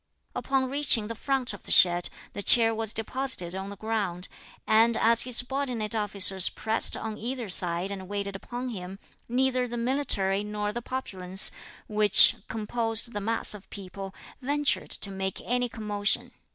Upon reaching the front of the shed the chair was deposited on the ground, and as his subordinate officers pressed on either side and waited upon him, neither the military nor the populace, which composed the mass of people, ventured to make any commotion.